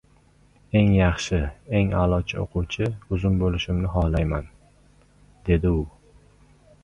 Eng yaxshi, eng aʼlochi oʻquvchi oʻzim boʻlishimni xohlayman, – dedi u.